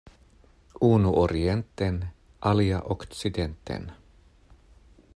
Unu orienten, alia okcidenten.